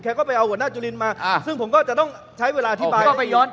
ก็ไปเอาหัวหน้าจุลินมาซึ่งผมก็จะต้องใช้เวลาอธิบายย้อน